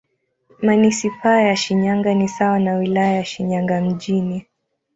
Manisipaa ya Shinyanga ni sawa na Wilaya ya Shinyanga Mjini.